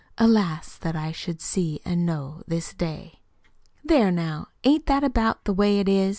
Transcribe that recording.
Alas, that I should see an' Know this Day. There, now, ain't that about the way 'tis?"